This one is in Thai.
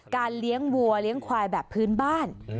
เลี้ยงวัวเลี้ยงควายแบบพื้นบ้าน